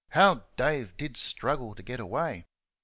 How Dave did struggle to get away!